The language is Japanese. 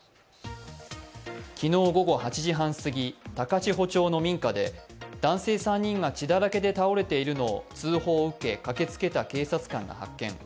昨日午後８時半すぎ高千穂町の民家で男性３人が血だらけで倒れているのを通報を受け駆けつけた警察官が発見。